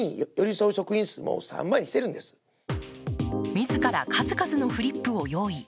自ら数々のフリップを用意。